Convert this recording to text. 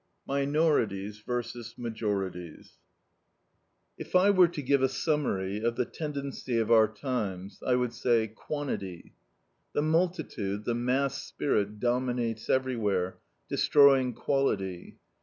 MINORITIES VERSUS MAJORITIES If I were to give a summary of the tendency of our times, I would say, Quantity. The multitude, the mass spirit, dominates everywhere, destroying quality.